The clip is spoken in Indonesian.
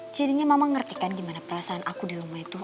jadinya mama ngerti kan gimana perasaan aku di rumah itu